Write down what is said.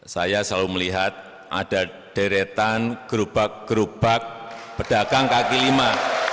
saya selalu melihat ada deretan gerobak gerobak pedagang kaki lima